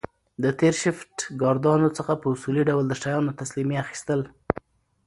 د تېر شفټ ګاردانو څخه په اصولي ډول د شیانو تسلیمي اخیستل